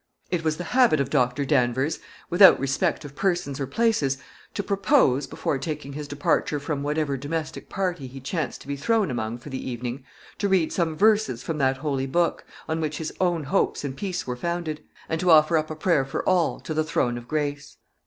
It was the habit of Doctor Danvers, without respect of persons or places, to propose, before taking his departure from whatever domestic party he chanced to be thrown among for the evening, to read some verses from that holy Book, on which his own hopes and peace were founded, and to offer up a prayer for all to the throne of grace.